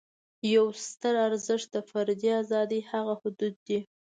یو ستر ارزښت د فردي آزادۍ هغه حدود دي.